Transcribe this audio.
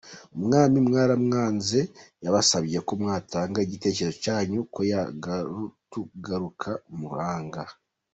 Umwami mwaramwanze yabasabye komwatanga igitekerezo cyanyu koyagarutugaruka muranga